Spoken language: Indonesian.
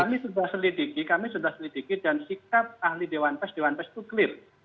kami sudah selidiki kami sudah selidiki dan sikap ahli dewan pers dewan pers itu clear